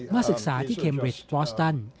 มาศึกษาที่เคมเบรษบอสดัล